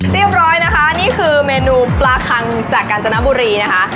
เรียบร้อยนะคะนี่คือเมนูปลาคังจากกาญจนบุรีนะคะ